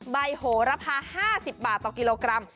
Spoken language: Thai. โหระพา๕๐บาทต่อกิโลกรัม